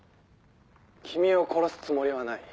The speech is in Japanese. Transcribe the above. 君を殺すつもりはない。